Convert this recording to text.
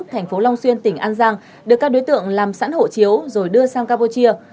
thành phố long xuyên tỉnh an giang được các đối tượng làm sẵn hộ chiếu rồi đưa sang campuchia